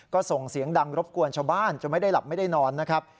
ก็ส่งเสียงดังรบกวนชาวบ้านจนไม่ได้หลับไม่ได้นอนนะครับ